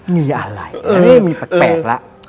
มีอะไรเออมีแปลกละ